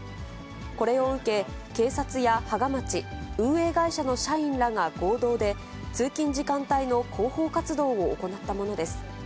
これを受け、警察や芳賀町、運営会社の社員らが合同で、通勤時間帯の広報活動を行ったものです。